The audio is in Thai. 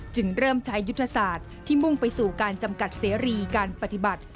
จึงเริ่มใช้ยุทธศาสตร์ที่มุ่งไปสู่การจำกัดเสรีการปฏิบัติ